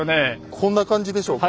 こんな感じでしょうか。